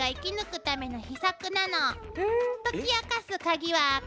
解き明かすカギはこれよ。